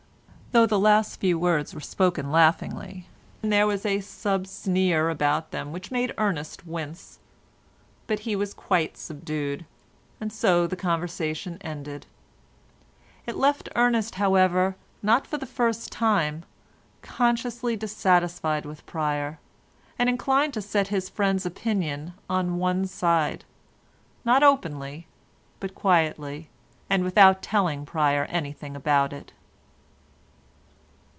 Though the last few words were spoken laughingly, there was a sub sneer about them which made Ernest wince; but he was quite subdued, and so the conversation ended. It left Ernest, however, not for the first time, consciously dissatisfied with Pryer, and inclined to set his friend's opinion on one side—not openly, but quietly, and without telling Pryer anything about it.